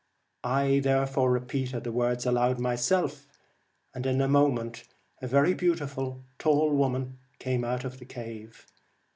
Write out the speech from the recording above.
I therefore repeated the words aloud myself, and in a moment a very beautiful tall woman came out of the cave.